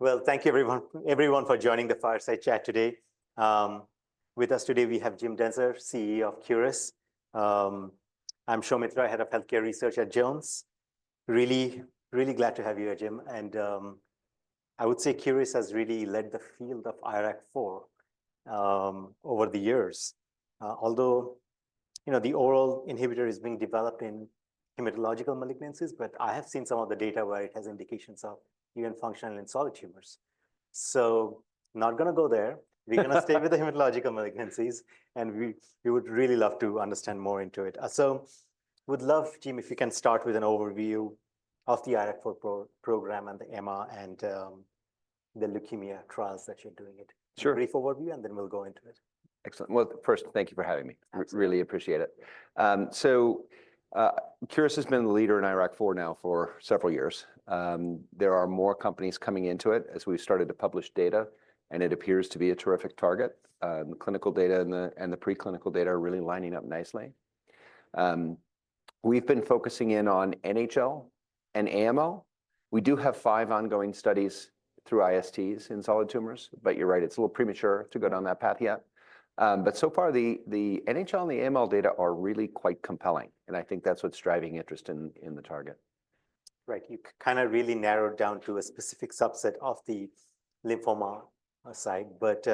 Thank you, everyone, for joining the Fireside Chat today. With us today, we have Jim Dentzer, CEO of Curis. I'm Soumit Roy, Head of Healthcare Research at Jones. Really, really glad to have you here, Jim. I would say Curis has really led the field of IRAK4 over the years. Although, you know, the oral inhibitor is being developed in hematological malignancies, I have seen some of the data where it has indications of even functional and solid tumors. Not going to go there. We're going to stay with the hematological malignancies, and we would really love to understand more into it. Would love, Jim, if you can start with an overview of the IRAK4 program and the EMA and the leukemia trials that you're doing it. Sure. Brief overview, and then we'll go into it. Excellent. First, thank you for having me. Really appreciate it. Curis has been the leader in IRAK4 now for several years. There are more companies coming into it as we have started to publish data, and it appears to be a terrific target. The clinical data and the preclinical data are really lining up nicely. We have been focusing in on NHL and AML. We do have five ongoing studies through ISTs in solid tumors, but you are right, it is a little premature to go down that path yet. So far, the NHL and the AML data are really quite compelling, and I think that is what is driving interest in the target. Right. You kind of really narrowed down to a specific subset of the lymphoma side, but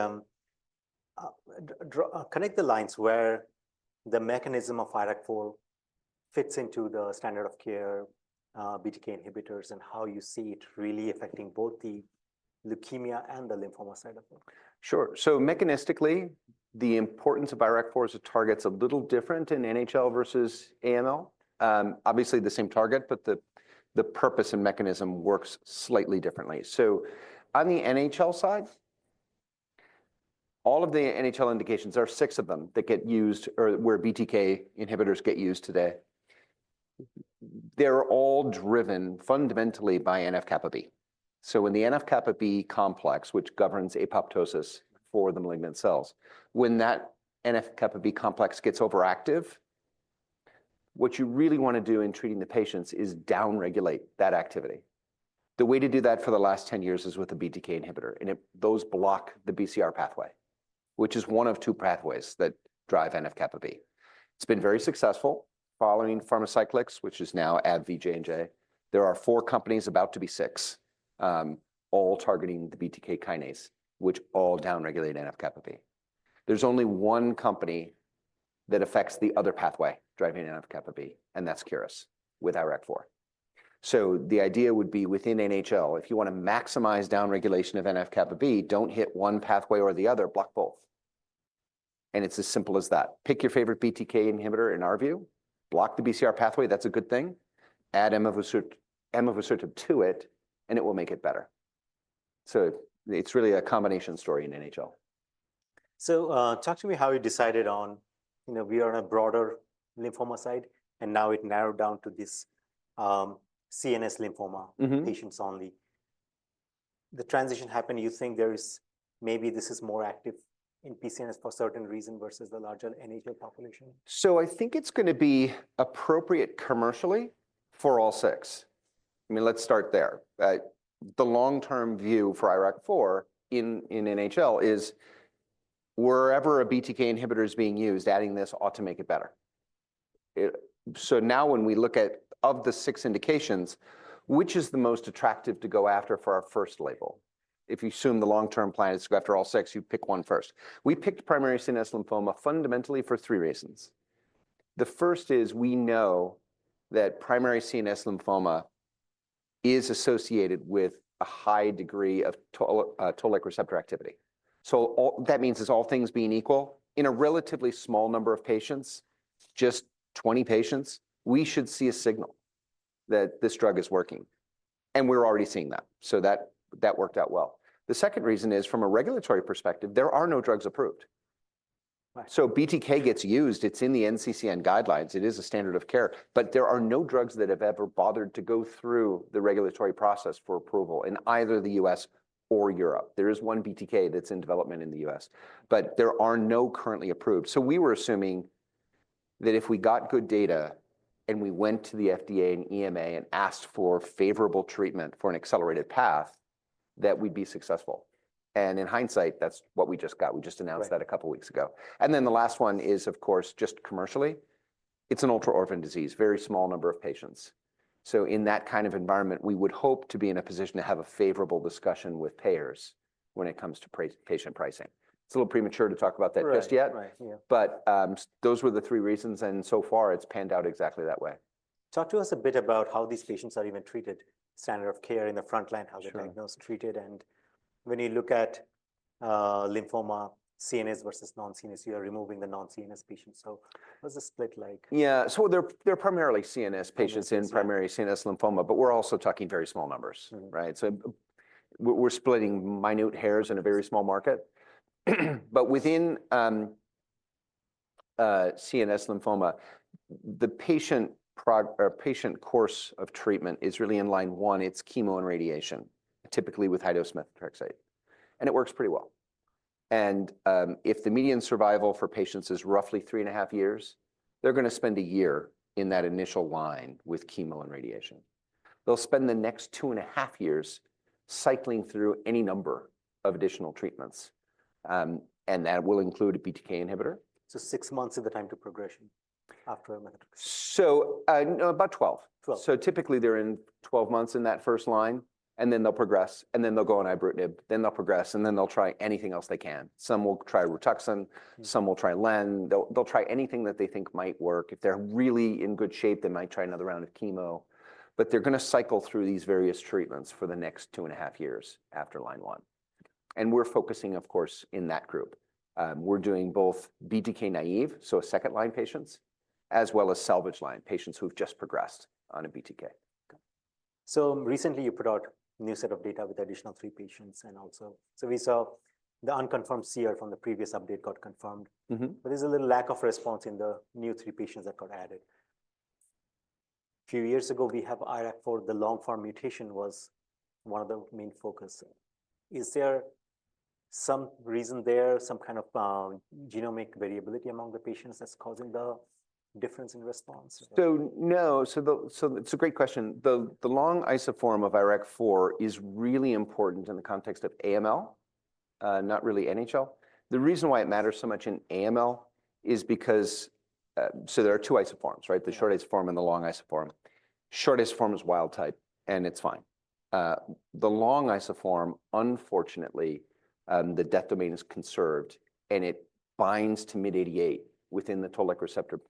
connect the lines where the mechanism of IRAK4 fits into the standard of care, BTK inhibitors, and how you see it really affecting both the leukemia and the lymphoma side of it. Sure. Mechanistically, the importance of IRAK4 as a target is a little different in NHL versus AML. Obviously, the same target, but the purpose and mechanism work slightly differently. On the NHL side, all of the NHL indications, there are six of them that get used or where BTK inhibitors get used today, are all driven fundamentally by NF-kappaB. In the NF-kappaB complex, which governs apoptosis for the malignant cells, when that NF-kappaB complex gets overactive, what you really want to do in treating the patients is downregulate that activity. The way to do that for the last 10 years is with a BTK inhibitor, and those block the BCR pathway, which is one of two pathways that drive NF-kappaB. It has been very successful following pharmaceuticals, which is now AbbVie, J&J. There are four companies, about to be six, all targeting the BTK kinase, which all downregulate NF-kappaB. There's only one company that affects the other pathway driving NF-kappaB, and that's Curis with IRAK4. The idea would be within NHL, if you want to maximize downregulation of NF-kappaB, don't hit one pathway or the other, block both. It's as simple as that. Pick your favorite BTK inhibitor in our view, block the BCR pathway, that's a good thing, add emavusertib to it, and it will make it better. It's really a combination story in NHL. Talk to me how you decided on, you know, we are on a broader lymphoma side, and now it narrowed down to this CNS lymphoma patients only. The transition happened, you think there is maybe this is more active in PCNSL for a certain reason versus the larger NHL population? I think it's going to be appropriate commercially for all six. I mean, let's start there. The long-term view for IRAK4 in NHL is wherever a BTK inhibitor is being used, adding this ought to make it better. Now when we look at the six indications, which is the most attractive to go after for our first label? If you assume the long-term plan is to go after all six, you pick one first. We picked primary CNS lymphoma fundamentally for three reasons. The first is we know that primary CNS lymphoma is associated with a high degree of toll-like receptor activity. That means, all things being equal, in a relatively small number of patients, just 20 patients, we should see a signal that this drug is working. We're already seeing that. That worked out well. The second reason is from a regulatory perspective, there are no drugs approved. BDK gets used, it's in the NCCN guidelines, it is a standard of care, but there are no drugs that have ever bothered to go through the regulatory process for approval in either the U.S. or Europe. There is one BDK that's in development in the U.S., but there are none currently approved. We were assuming that if we got good data and we went to the FDA and EMA and asked for favorable treatment for an accelerated path, that we'd be successful. In hindsight, that's what we just got. We just announced that a couple of weeks ago. The last one is, of course, just commercially, it's an ultra-orphan disease, very small number of patients. In that kind of environment, we would hope to be in a position to have a favorable discussion with payers when it comes to It's a little premature to talk about that just yet. Right. Those were the three reasons, and so far it's panned out exactly that way. Talk to us a bit about how these patients are even treated, standard of care in the front line, how they're diagnosed, treated, and when you look at lymphoma CNS versus non-CNS, you are removing the non-CNS patients. What's the split like? Yeah. They are primarily CNS patients in primary CNS lymphoma, but we are also talking very small numbers, right? We are splitting minute hairs in a very small market. Within CNS lymphoma, the patient course of treatment is really in line one, it is chemo and radiation, typically with high-dose methotrexate. It works pretty well. If the median survival for patients is roughly three and a half years, they are going to spend a year in that initial line with chemo and radiation. They will spend the next two and a half years cycling through any number of additional treatments. That will include a BTK inhibitor. Is six months the time to progression after methotrexate? About 12. 12. Typically they're in 12 months in that first line, and then they'll progress, and then they'll go on ibrutinib, then they'll progress, and then they'll try anything else they can. Some will try Rituxan, some will try LEN, they'll try anything that they think might work. If they're really in good shape, they might try another round of chemo. They're going to cycle through these various treatments for the next two and a half years after line one. We're focusing, of course, in that group. We're doing both BTK naive, so second-line patients, as well as salvage line, patients who've just progressed on a BTK. Recently you put out a new set of data with additional three patients and also, we saw the unconfirmed CR from the previous update got confirmed. There's a little lack of response in the new three patients that got added. A few years ago, we have IRAK4, the long-form mutation was one of the main focuses. Is there some reason there, some kind of genomic variability among the patients that's causing the difference in response? No. It's a great question. The long isoform of IRAK4 is really important in the context of AML, not really NHL. The reason why it matters so much in AML is because there are two isoforms, right? The short isoform and the long isoform. Short isoform is wild type, and it's fine. The long isoform, unfortunately, the death domain is conserved, and it binds to MYD88 within the toll-like receptor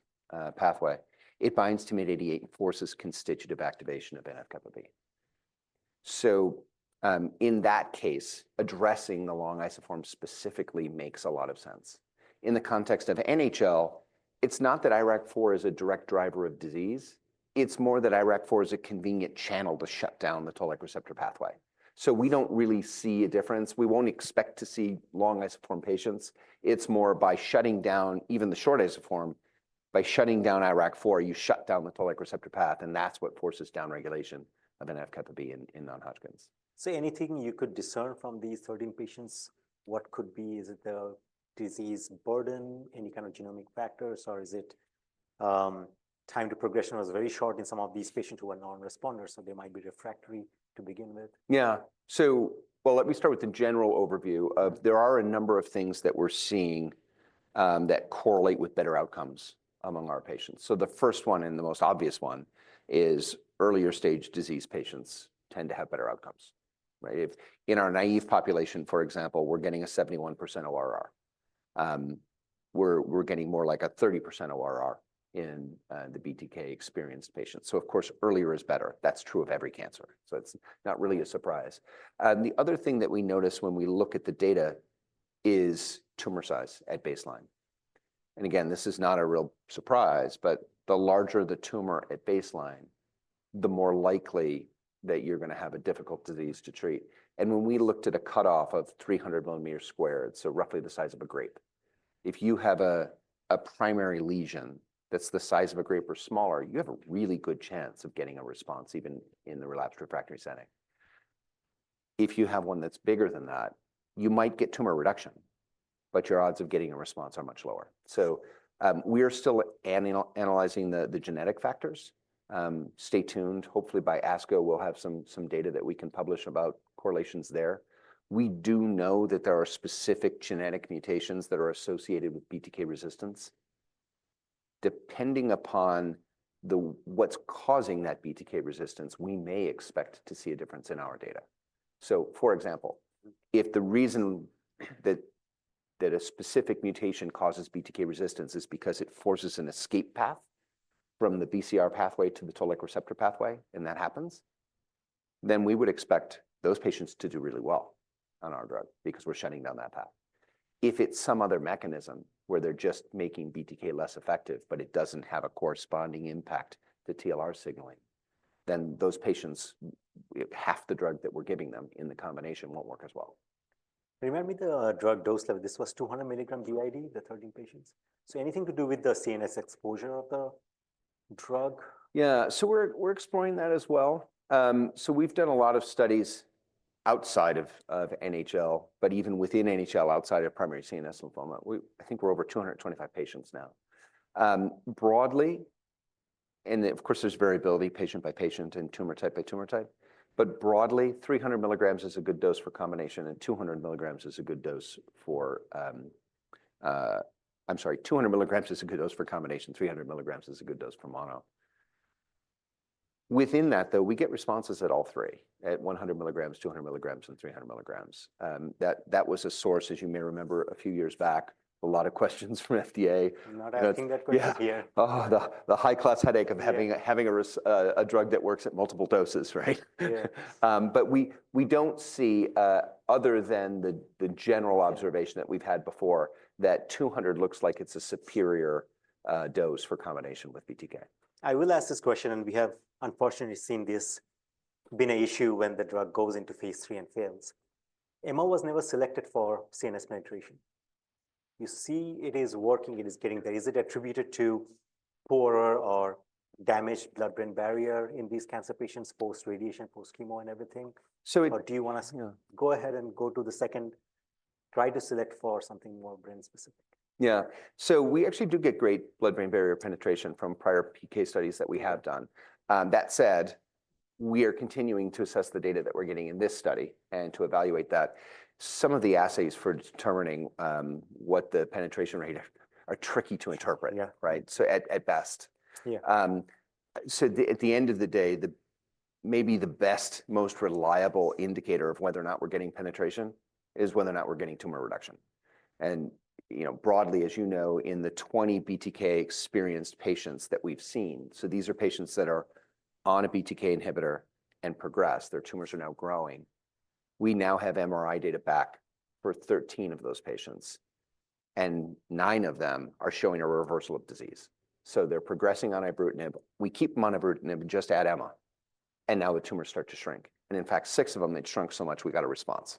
pathway. It binds to MYD88 and forces constitutive activation of NF-kappaB. In that case, addressing the long isoform specifically makes a lot of sense. In the context of NHL, it's not that IRAK4 is a direct driver of disease. It's more that IRAK4 is a convenient channel to shut down the toll-like receptor pathway. We don't really see a difference. We won't expect to see long isoform patients. It's more by shutting down, even the short isoform, by shutting down IRAK4, you shut down the toll-like receptor path, and that's what forces downregulation of NF-kappaB in non-Hodgkin's. Anything you could discern from these 13 patients? What could be? Is it the disease burden, any kind of genomic factors, or is it time to progression was very short in some of these patients who are non-responders, so they might be refractory to begin with? Yeah. Let me start with the general overview of there are a number of things that we're seeing that correlate with better outcomes among our patients. The first one and the most obvious one is earlier stage disease patients tend to have better outcomes, right? If in our naive population, for example, we're getting a 71% ORR, we're getting more like a 30% ORR in the BTK experienced patients. Of course, earlier is better. That's true of every cancer. It's not really a surprise. The other thing that we notice when we look at the data is tumor size at baseline. Again, this is not a real surprise, but the larger the tumor at baseline, the more likely that you're going to have a difficult disease to treat. When we looked at a cutoff of 300 mm squared, so roughly the size of a grape, if you have a primary lesion that's the size of a grape or smaller, you have a really good chance of getting a response even in the relapsed refractory setting. If you have one that's bigger than that, you might get tumor reduction, but your odds of getting a response are much lower. We are still analyzing the genetic factors. Stay tuned. Hopefully by ASCO, we'll have some data that we can publish about correlations there. We do know that there are specific genetic mutations that are associated with BTK resistance. Depending upon what's causing that BTK resistance, we may expect to see a difference in our data. For example, if the reason that a specific mutation causes BTK resistance is because it forces an escape path from the BCR pathway to the toll-like receptor pathway, and that happens, then we would expect those patients to do really well on our drug because we're shutting down that path. If it's some other mechanism where they're just making BTK less effective, but it doesn't have a corresponding impact to TLR signaling, then those patients, half the drug that we're giving them in the combination won't work as well. Remind me the drug dose level. This was 200 mg b.i.d. the 13 patients. Anything to do with the CNS exposure of the drug? Yeah. We're exploring that as well. We've done a lot of studies outside of NHL, but even within NHL outside of primary CNS lymphoma, I think we're over 225 patients now. Broadly, and of course, there's variability patient by patient and tumor type by tumor type, but broadly, 300 mg is a good dose for mono and 200 mg is a good dose for combination. Within that, though, we get responses at all three at 100 mg, 200 mg, and 300 mg. That was a source, as you may remember, a few years back, of a lot of questions from FDA. Not acting that good. Oh, the high-class headache of having a drug that works at multiple doses, right? We do not see, other than the general observation that we have had before, that 200 looks like it is a superior dose for combination with BTK. I will ask this question, and we have unfortunately seen this been an issue when the drug goes into phase three and fails. MO was never selected for CNS penetration. You see it is working, it is getting there. Is it attributed to poorer or damaged blood-brain barrier in these cancer patients post-radiation, post-chemo and everything? Or do you want to go ahead and go to the second, try to select for something more brain-specific? Yeah. So we actually do get great blood-brain barrier penetration from prior PK studies that we have done. That said, we are continuing to assess the data that we're getting in this study and to evaluate that. Some of the assays for determining what the penetration rate are tricky to interpret, right? At best. At the end of the day, maybe the best, most reliable indicator of whether or not we're getting penetration is whether or not we're getting tumor reduction. Broadly, as you know, in the 20 BTK experienced patients that we've seen, these are patients that are on a BTK inhibitor and progress, their tumors are now growing. We now have MRI data back for 13 of those patients, and nine of them are showing a reversal of disease. They're progressing on ibrutinib. We keep them on ibrutinib and just add emavusertib. Now the tumors start to shrink. In fact, six of them, they've shrunk so much we got a response.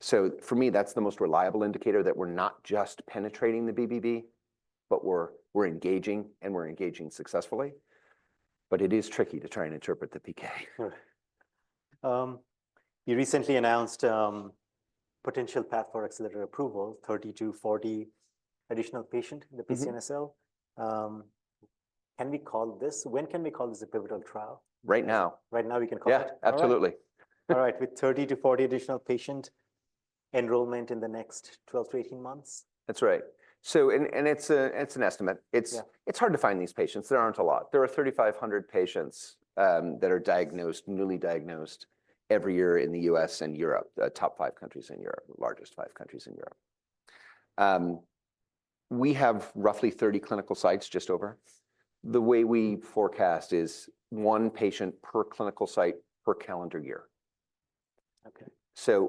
For me, that's the most reliable indicator that we're not just penetrating the BBB, but we're engaging and we're engaging successfully. It is tricky to try and interpret the PK. You recently announced potential path for accelerated approval, 30-40 additional patients in the PCNSL. Can we call this? When can we call this a pivotal trial? Right now. Right now we can call it? Yeah, absolutely. All right. With 30-40 additional patient enrollment in the next 12-18 months? That's right. And it's an estimate. It's hard to find these patients. There aren't a lot. There are 3,500 patients that are diagnosed, newly diagnosed every year in the U.S. and Europe, the top five countries in Europe, largest five countries in Europe. We have roughly 30 clinical sites just over. The way we forecast is one patient per clinical site per calendar year.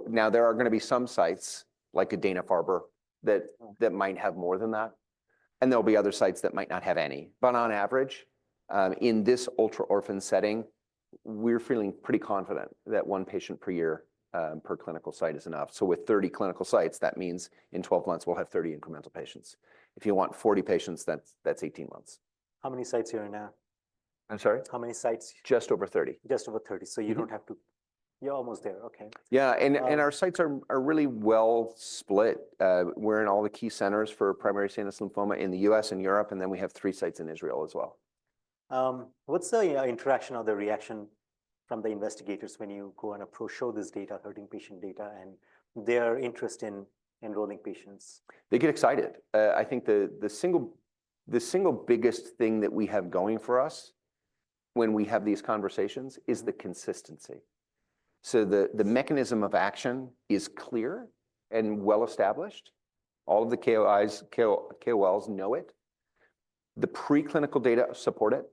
Now there are going to be some sites like Dana-Farber that might have more than that. And there'll be other sites that might not have any. But on average, in this ultra-orphan setting, we're feeling pretty confident that one patient per year per clinical site is enough. With 30 clinical sites, that means in 12 months, we'll have 30 incremental patients. If you want 40 patients, that's 18 months. How many sites are you in now? I'm sorry? How many sites? Just over 30. Just over 30. You do not have to, you are almost there. Okay. Yeah. Our sites are really well split. We're in all the key centers for primary CNS lymphoma in the U.S. and Europe, and then we have three sites in Israel as well. What's the interaction or the reaction from the investigators when you go and show this data, hurting patient data and their interest in enrolling patients? They get excited. I think the single biggest thing that we have going for us when we have these conversations is the consistency. The mechanism of action is clear and well established. All of the KOLs know it. The preclinical data support it.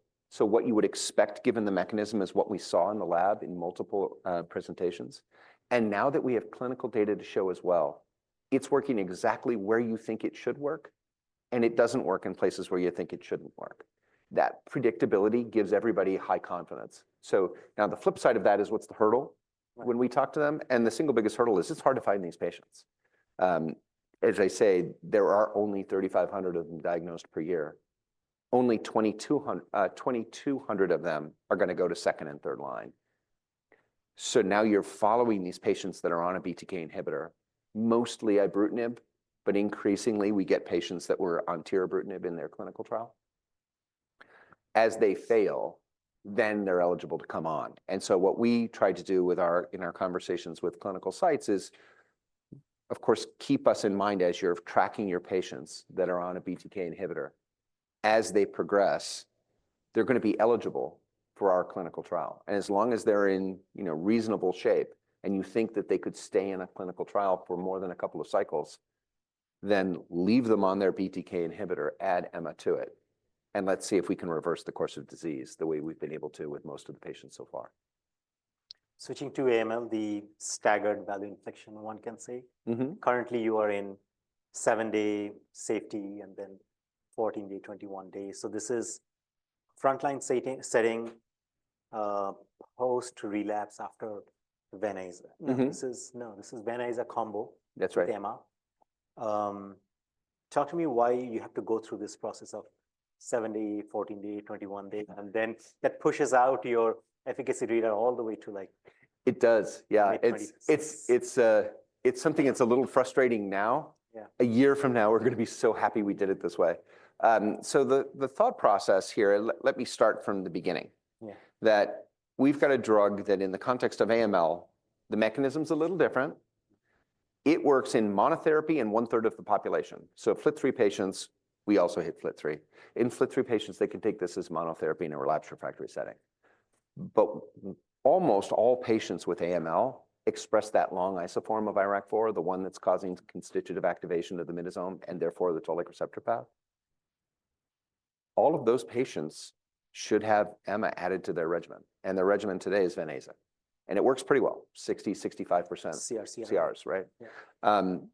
What you would expect given the mechanism is what we saw in the lab in multiple presentations. Now that we have clinical data to show as well, it's working exactly where you think it should work, and it doesn't work in places where you think it shouldn't work. That predictability gives everybody high confidence. The flip side of that is what's the hurdle when we talk to them? The single biggest hurdle is it's hard to find these patients. As I say, there are only 3,500 of them diagnosed per year. Only 2,200 of them are going to go to second and third line. Now you're following these patients that are on a BTK inhibitor, mostly ibrutinib, but increasingly we get patients that were on tirabrutinib in their clinical trial. As they fail, then they're eligible to come on. What we try to do in our conversations with clinical sites is, of course, keep us in mind as you're tracking your patients that are on a BTK inhibitor. As they progress, they're going to be eligible for our clinical trial. As long as they're in reasonable shape and you think that they could stay in a clinical trial for more than a couple of cycles, then leave them on their BTK inhibitor, add emavusertib to it, and let's see if we can reverse the course of disease the way we've been able to with most of the patients so far. Switching to AML, the staggered value inflection one can say. Currently, you are in 7-day safety and then 14-day, 21-day. This is frontline setting post-relapse after Veniza. No, this is Veniza combo with Emma. Talk to me why you have to go through this process of 7-day, 14-day, 21-day, and then that pushes out your efficacy data all the way to like. It does. Yeah. It's something that's a little frustrating now. A year from now, we're going to be so happy we did it this way. The thought process here, let me start from the beginning. That we've got a drug that in the context of AML, the mechanism's a little different. It works in monotherapy in one-third of the population. FLT3 patients, we also hit FLT3. In FLT3 patients, they can take this as monotherapy in a relapsed refractory setting. Almost all patients with AML express that long isoform of IRAK4, the one that's causing constitutive activation of the MYD88 and therefore the toll-like receptor path. All of those patients should have emavusertib added to their regimen. Their regimen today is venetoclax and azacitidine. It works pretty well, 60-65% CRs, right?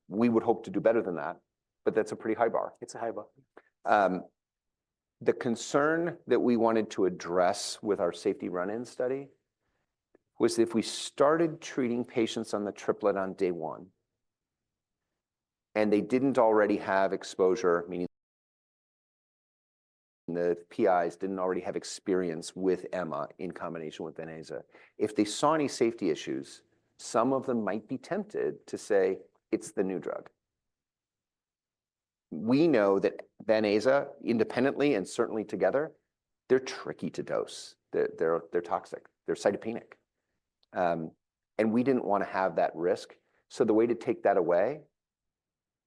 We would hope to do better than that, but that's a pretty high bar. It's a high bar. The concern that we wanted to address with our safety run-in study was if we started treating patients on the triplet on day one, and they did not already have exposure, meaning the PIs did not already have experience with Emma in combination with Veniza. If they saw any safety issues, some of them might be tempted to say, "It's the new drug." We know that Veniza independently and certainly together, they are tricky to dose. They are toxic. They are cytopenic. We did not want to have that risk. The way to take that away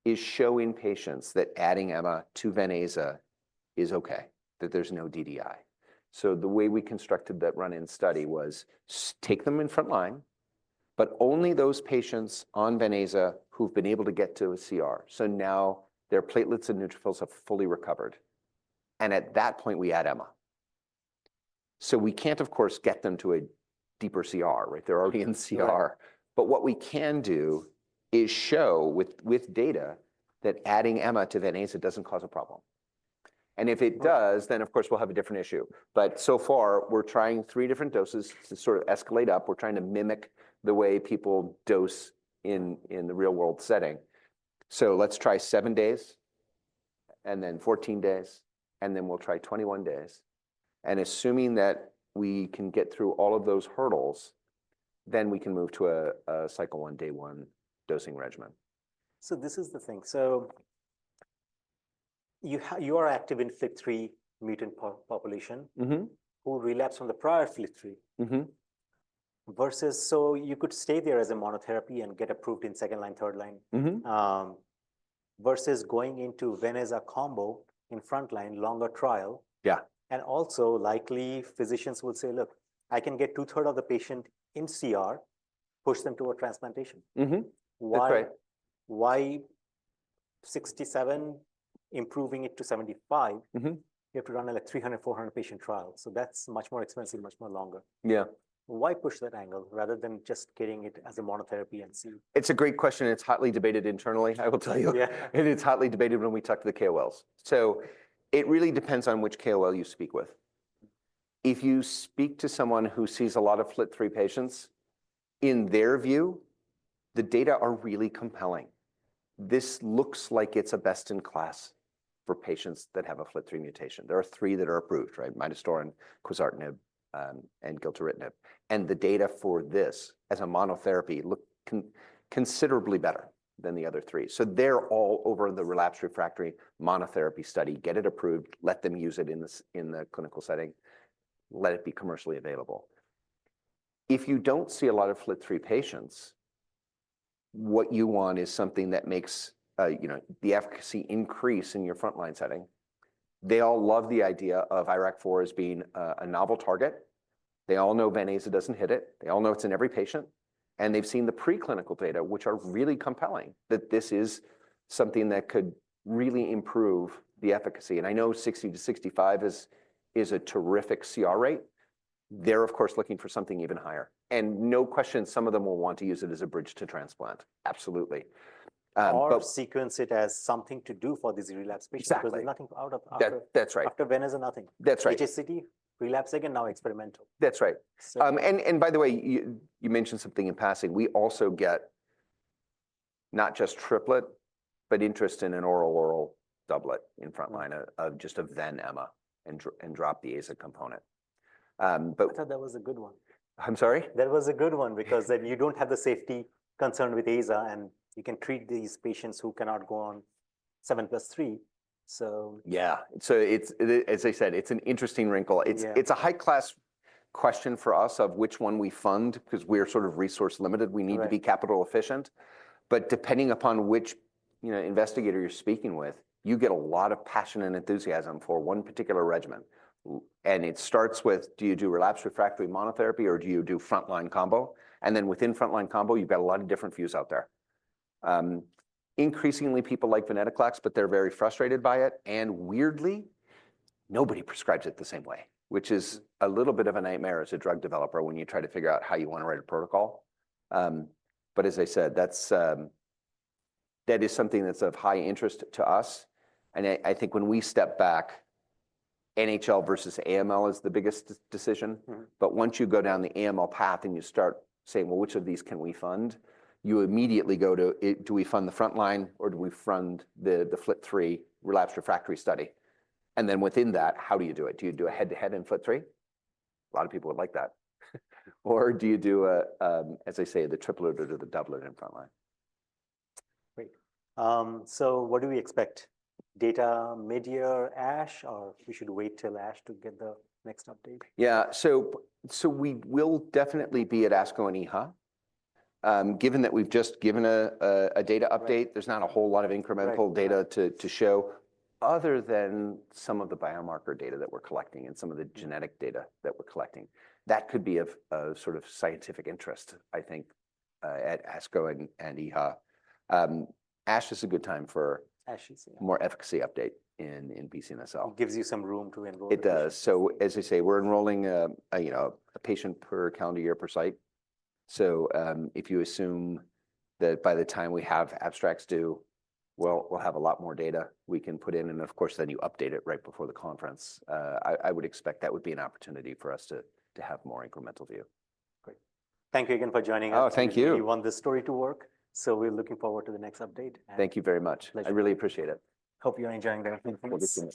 is showing patients that adding Emma to Veniza is okay, that there is no DDI. The way we constructed that run-in study was take them in front line, but only those patients on Veniza who have been able to get to a CR. Now their platelets and neutrophils have fully recovered. At that point, we add Emma. We can't, of course, get them to a deeper CR, right? They're already in CR. What we can do is show with data that adding emavusertib to venetoclax doesn't cause a problem. If it does, then, of course, we'll have a different issue. So far, we're trying three different doses to sort of escalate up. We're trying to mimic the way people dose in the real-world setting. Let's try 7 days, then 14 days, and then we'll try 21 days. Assuming that we can get through all of those hurdles, we can move to a cycle one day one dosing regimen. This is the thing. You are active in FLT3 mutant population who relapsed on the prior FLT3 versus so you could stay there as a monotherapy and get approved in second line, third line versus going into Veniza combo in frontline, longer trial. Yeah. Also likely physicians will say, "Look, I can get two-thirds of the patient in CR, push them toward transplantation." Why 67% improving it to 75%? You have to run like 300-400 patient trials. That is much more expensive, much more longer. Yeah. Why push that angle rather than just getting it as a monotherapy and see? It's a great question. It's hotly debated internally, I will tell you. It's hotly debated when we talk to the KOLs. It really depends on which KOL you speak with. If you speak to someone who sees a lot of FLT3 patients, in their view, the data are really compelling. This looks like it's a best in class for patients that have a FLT3 mutation. There are three that are approved, right? Midostaurin, Quizartinib, and Gilteritinib. The data for this as a monotherapy look considerably better than the other three. They're all over the relapsed refractory monotherapy study, get it approved, let them use it in the clinical setting, let it be commercially available. If you don't see a lot of FLT3 patients, what you want is something that makes the efficacy increase in your frontline setting. They all love the idea of IRAK4 as being a novel target. They all know venetoclax doesn't hit it. They all know it's in every patient. They have seen the preclinical data, which are really compelling, that this is something that could really improve the efficacy. I know 60-65% is a terrific CR rate. They are, of course, looking for something even higher. No question, some of them will want to use it as a bridge to transplant. Absolutely. Sequence it as something to do for these relapsed patients. Exactly. Because there's nothing out of. That's right. After Venetoclax, nothing. That's right. Efficacy, relapse again, now experimental. That's right. By the way, you mentioned something in passing. We also get not just triplet, but interest in an oral-oral doublet in front line of just emavusertib and then drop the AZA component. I thought that was a good one. I'm sorry? That was a good one because then you don't have the safety concern with AZA, and you can treat these patients who cannot go on 7 plus 3. Yeah. As I said, it's an interesting wrinkle. It's a high-class question for us of which one we fund because we're sort of resource-limited. We need to be capital efficient. Depending upon which investigator you're speaking with, you get a lot of passion and enthusiasm for one particular regimen. It starts with, do you do relapsed refractory monotherapy or do you do frontline combo? Within frontline combo, you've got a lot of different views out there. Increasingly, people like Venetoclax, but they're very frustrated by it. Weirdly, nobody prescribes it the same way, which is a little bit of a nightmare as a drug developer when you try to figure out how you want to write a protocol. As I said, that is something that's of high interest to us. I think when we step back, NHL versus AML is the biggest decision. Once you go down the AML path and you start saying, "Well, which of these can we fund?" you immediately go to, "Do we fund the frontline or do we fund the FLT3 relapsed refractory study?" Within that, how do you do it? Do you do a head-to-head in FLT3? A lot of people would like that. Or do you do, as I say, the triplet or the doublet in frontline? Great. What do we expect? Data, mid-year, ASH, or should we wait till ASH to get the next update? Yeah. We will definitely be at ASCO and EHA. Given that we've just given a data update, there's not a whole lot of incremental data to show other than some of the biomarker data that we're collecting and some of the genetic data that we're collecting. That could be of sort of scientific interest, I think, at ASCO and EHA. ASH is a good time for. ASH is, yeah. More efficacy update in PCNSL. It gives you some room to enroll. It does. As I say, we're enrolling a patient per calendar year per site. If you assume that by the time we have abstracts due, we'll have a lot more data we can put in. Of course, you update it right before the conference. I would expect that would be an opportunity for us to have more incremental view. Great. Thank you again for joining us. Oh, thank you. You want this story to work. We are looking forward to the next update. Thank you very much. Pleasure. I really appreciate it. Hope you're enjoying the.